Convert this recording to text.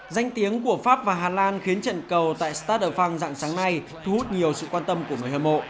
danh tiếng của pháp và hà lan khiến trận cầu tại stade de france dặn sáng nay thu hút nhiều sự quan tâm của người hâm mộ